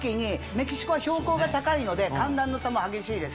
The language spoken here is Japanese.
メキシコは標高が高いので寒暖の差も激しいです。